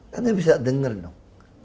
kan dia bisa denger dong